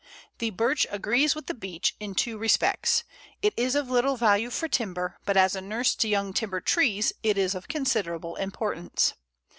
The Birch agrees with the Beech in two respects it is of little value for timber, but as a nurse to young timber trees it is of considerable importance.